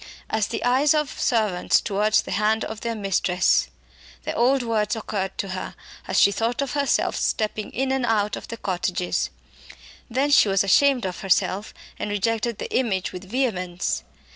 "As the eyes of servants towards the hand of their mistress" the old words occurred to her as she thought of herself stepping in and out of the cottages. Then she was ashamed of herself and rejected the image with vehemence.